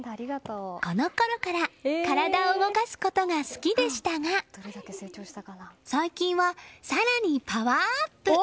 このころから体を動かすことが好きでしたが最近は更にパワーアップ！